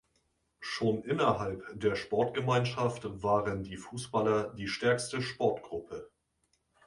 Schon innerhalb der Sportgemeinschaft waren die Fußballer die stärkste Sportgruppe.